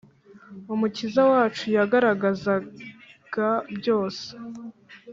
Umukiza wacu yagaragazaga byose